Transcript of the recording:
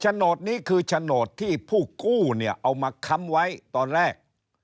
ชโนตนี้ดีใต้ชโนตออกที่ผู้กู้เอามาค้ำไว้ตอนแรก